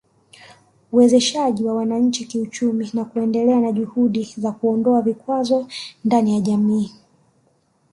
Uwezeshaji wa wananchi kiuchumi na kuendelea na juhudi za kuondoa vikwazo ndani ya jamii